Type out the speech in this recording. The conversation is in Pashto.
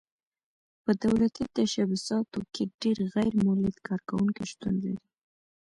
په دولتي تشبثاتو کې ډېر غیر مولد کارکوونکي شتون لري.